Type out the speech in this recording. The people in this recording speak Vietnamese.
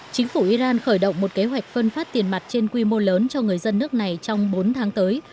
chính phủ iran khởi động một kế hoạch phân phát tiền mặt trên quy mô lớn cho người dân nước này trong bốn tháng tới